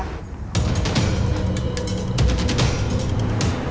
nah lepas ibu